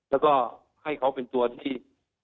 และให้เขาเป็นตัวที่